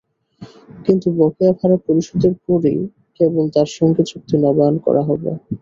কিন্তু বকেয়া ভাড়া পরিশোধের পরই কেবল তাঁর সঙ্গে চুক্তি নবায়ন করা হবে।